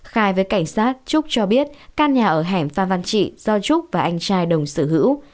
khai với cảnh sát trúc cho biết căn nhà ở hẻm phan văn trị do trúc và anh trai đồng sở hữu